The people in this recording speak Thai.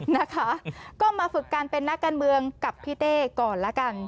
นะคะก็มาฝึกการเป็นนักการเมืองกับพี่เต้ก่อนละกัน